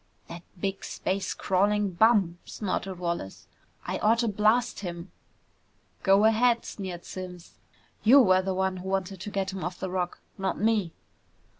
"That big space crawling bum!" snorted Wallace. "I oughta blast him!" "Go ahead!" sneered Simms. "You were the one who wanted to get him off the Rock, not me!"